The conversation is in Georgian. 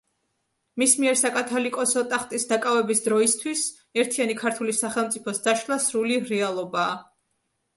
მის მიერ საკათოლიკოსო ტახტის დაკავების დროისთვის ერთიანი ქართული სახელმწიფოს დაშლა სრული რეალობაა.